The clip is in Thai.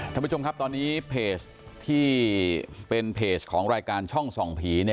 ท่านผู้ชมครับตอนนี้เพจที่เป็นเพจของรายการช่องส่องผีเนี่ย